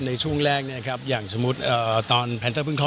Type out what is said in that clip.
ในช่วงแรกเนี่ยครับอย่างสมมุติตอนแพนเตอร์เพิ่งเข้ามา